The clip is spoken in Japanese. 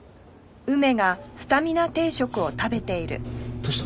どうした？